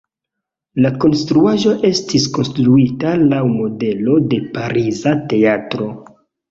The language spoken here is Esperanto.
La konstruaĵo estis konstruita laŭ modelo de pariza teatro.